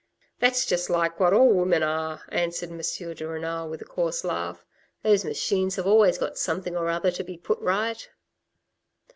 "That's just like what all women are," answered M. de Renal with a coarse laugh. "Those machines have always got something or other to be put right."